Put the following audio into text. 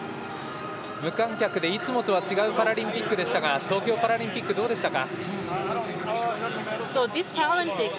無観客でいつもとは違うパラリンピックでしたが東京パラリンピックどうでしたか。